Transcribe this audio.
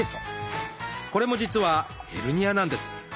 これも実はヘルニアなんです。